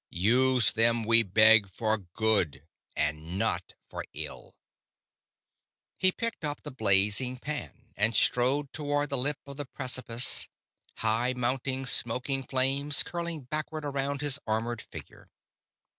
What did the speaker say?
Use them, we beg, for good and not for ill." He picked up the blazing pan and strode toward the lip of the precipice; high mounting, smoky flames curling backward around his armored figure.